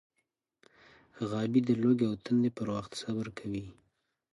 غابي د لوږې او تندې پر وړاندې صبر کوي.